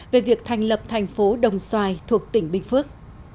về việc thành lập thành phố đồng xoài thuộc tỉnh bình phước